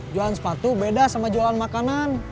jualan sepatu beda sama jualan makanan